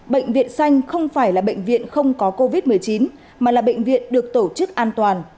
bệnh viện xanh không phải là bệnh viện không có covid một mươi chín mà là bệnh viện được tổ chức an toàn